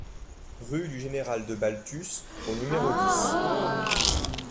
Rue du Général de Baltus au numéro dix